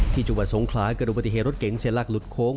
จังหวัดสงขลาเกิดอุบัติเหตุรถเก๋งเสียหลักหลุดโค้ง